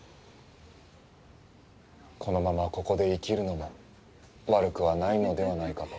このままここで生きるのも悪くはないのではないかと。